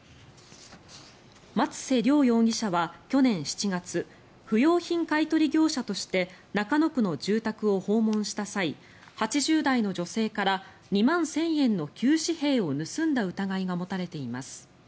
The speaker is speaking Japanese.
松瀬亮容疑者は去年７月不用品買い取り業者として中野区の住宅を訪問した際８０代の女性から２万１０００円の旧紙幣を盗んだ疑いが持たれています。